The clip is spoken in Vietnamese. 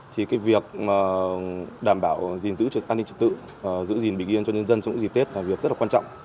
thì việc đảm bảo giữ an ninh trực tự giữ gìn bình yên cho nhân dân trong dịp tết là việc rất quan trọng